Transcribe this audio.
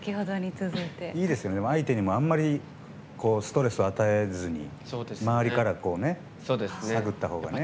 相手にもあんまりストレスを与えずに周りから探ったほうがね。